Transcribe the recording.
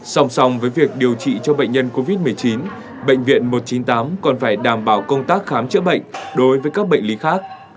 song song với việc điều trị cho bệnh nhân covid một mươi chín bệnh viện một trăm chín mươi tám còn phải đảm bảo công tác khám chữa bệnh đối với các bệnh lý khác